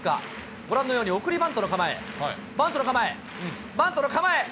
ご覧のように、送りバントの構え、バントの構え、バントの構え。